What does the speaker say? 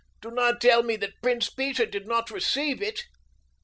Do not tell me that Prince Peter did not receive it."